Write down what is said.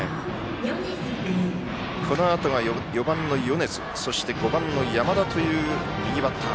このあとが４番の米津そして５番の山田という右バッター。